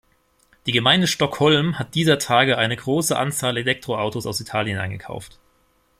Die Gemeinde Stockholm hat dieser Tage eine große Anzahl Elektroautos aus Italien eingekauft.